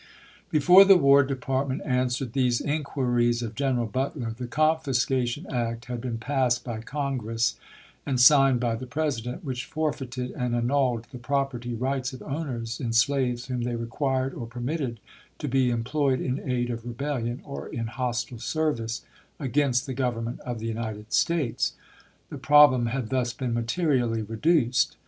Before the War Department answered these in quiries of General Butler, the confiscation act had been passed by Congress, and signed by the Presi dent, which forfeited and annulled the property right of owners in slaves whom they required or per mitted to be employed in aid of rebellion, or in hos tile service against the Government of the United States ; the problem had thus been materially reduced.